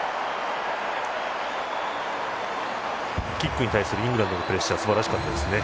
キックに対するイングランドのプレッシャーがすばらしかったですね。